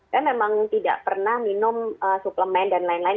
saya memang tidak pernah minum suplemen dan lain lain